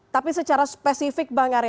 tapi secara spesifik bang arya